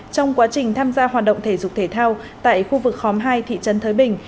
trong quá trình tham gia hoạt động thể dục thể thao tại khu vực khóm hai thị trấn thới bình